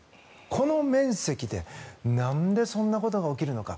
この面積でなんでそんなことが起きるのか。